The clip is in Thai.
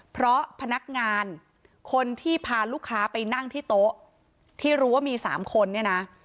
เพราะพนักงานคนที่พาลูกค้าไปนั่งที่โต๊ะที่รู้ว่ามี๓คนเนี่ยนะ